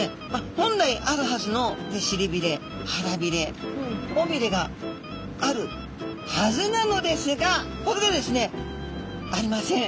本来あるはずの尻びれ腹びれ尾びれがあるはずなのですがこれがですねありません。